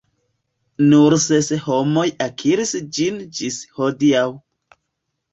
Nur ses homoj akiris ĝin ĝis hodiaŭ.